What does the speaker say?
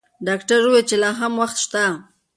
ډاکټر وویل چې لا هم وخت شته.